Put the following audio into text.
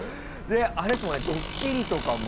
あれですもんねドッキリとかも。